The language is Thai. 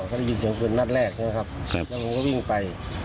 เขาได้ยินเสียงปืนนัดแรกใช่ไหมครับแล้วผมก็วิ่งไป